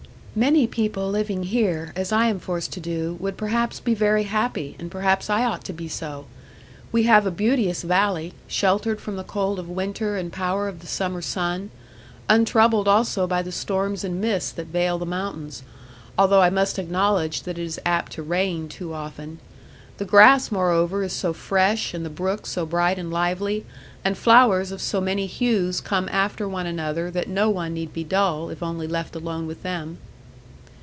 'Many people living here, as I am forced to do, would perhaps be very happy, and perhaps I ought to be so. We have a beauteous valley, sheltered from the cold of winter and power of the summer sun, untroubled also by the storms and mists that veil the mountains; although I must acknowledge that it is apt to rain too often. The grass moreover is so fresh, and the brook so bright and lively, and flowers of so many hues come after one another that no one need be dull, if only left alone with them.